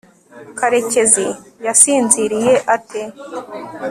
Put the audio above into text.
karekezi yasinziriye ate